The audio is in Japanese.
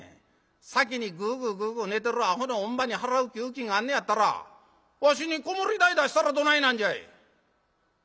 先にグーグーグーグー寝てるアホの乳母に払う給金があんねやったらわしに子守代出したらどないなんじゃい！」。